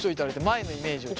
前のイメージを。